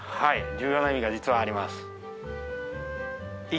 重要な意味が実はあります。